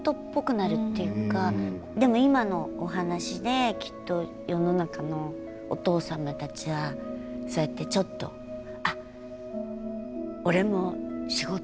でも今のお話できっと世の中のお父様たちはそうやってちょっと「あっ俺も仕事をしていたんだ」。